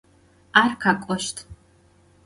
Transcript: Ar khek'oşt.